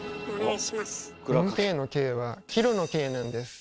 ４Ｋの「Ｋ」はキロの「Ｋ」なんです。